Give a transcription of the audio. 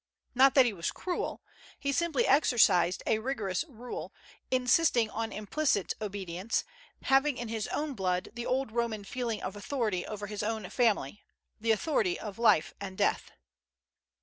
Not that he was cruel ; he simply exercised a rigorous rule, insisting on implicit obedience, having in his blood the old Eornan feeling of authority over his own family — the authority of life and death.